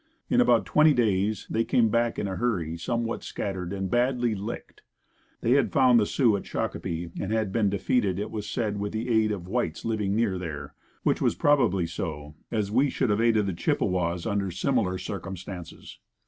In about twenty days they came back in a hurry somewhat scattered and badly licked. They had found the Sioux at Shakopee and had been defeated, it was said with the aid of the whites living near there, which was probably so, as we should have aided the Chippewas under similar circumstances.